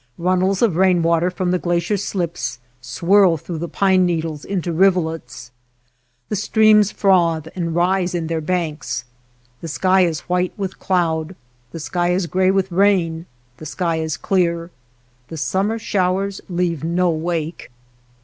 Runnels of rain water from the glacier slips swirl through the pine needles into rivulets ; the streams froth and rise in their banks. The sky is white with cloud; the sky is gray with rain ; the sky is clear. The summer showers leave no wake.